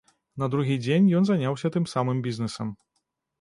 На другі дзень ён заняўся тым самым бізнэсам.